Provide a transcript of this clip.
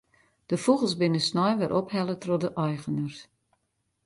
De fûgels binne snein wer ophelle troch de eigeners.